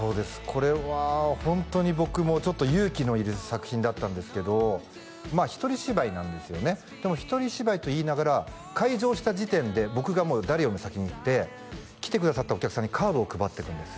これはホントに僕も勇気のいる作品だったんですけどまあ一人芝居なんですよねでも一人芝居といいながら開場した時点で僕がもう誰よりも先にいて来てくださったお客さんにカードを配っていくんです